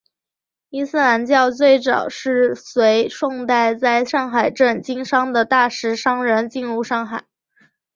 伊斯兰教最早是随宋代在上海镇经商的大食商人进入上海。